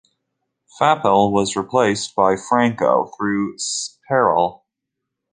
Faupel was replaced by Franco, through Sperrle.